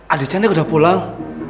adik canda udah pulang